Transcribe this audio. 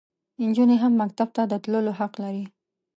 انجونې هم مکتب ته د تللو حق لري.